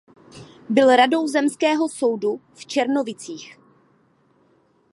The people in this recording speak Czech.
Byl radou zemského soudu v Černovicích.